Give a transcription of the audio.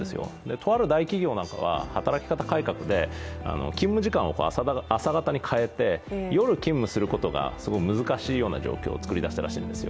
とある大企業なんかは、働き方改革で勤務時間を朝型に変えて夜、勤務することがすごい難しいような状況を作り出しているんですよ。